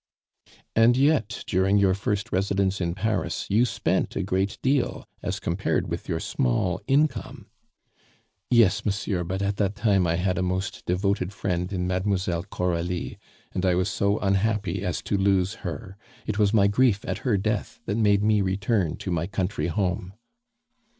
"And yet, during your first residence in Paris, you spent a great deal, as compared with your small income?" "Yes, monsieur; but at that time I had a most devoted friend in Mademoiselle Coralie, and I was so unhappy as to lose her. It was my grief at her death that made me return to my country home."